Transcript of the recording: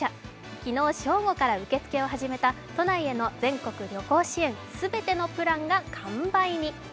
昨日正午から受付を始めた都内への全国旅行支援全てのプランが完売に。